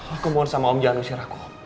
aku mohon sama om jangan usir aku